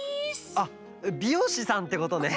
あっびようしさんってことね。